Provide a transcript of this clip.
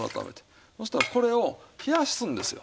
そしたらこれを冷やすんですよ